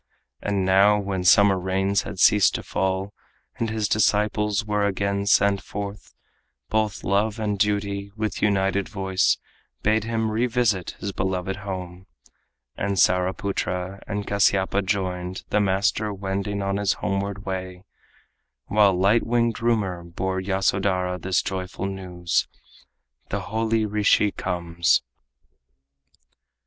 And now, when summer rains had ceased to fall, And his disciples were again, sent forth, Both love and duty with united voice Bade him revisit his beloved home, And Saraputra and Kasyapa joined The master wending on his homeward way, While light winged rumor bore Yasodhara This joyful news: "The holy rishi comes."